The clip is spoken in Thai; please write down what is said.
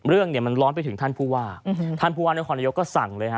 เรื่องเนี่ยมันร้อนไปถึงท่านผู้ว่าท่านผู้ว่านครนายกก็สั่งเลยฮะ